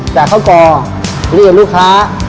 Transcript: จากเค้าก่อเลื่อนลูกค้า